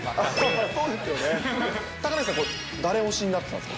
そうですよね、高梨さん誰推しになってたんですか？